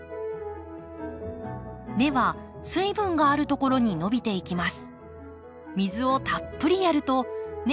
根は水分があるところに伸びていきます。